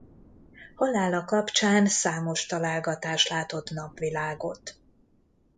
Halála kapcsán számos találgatás látott napvilágot.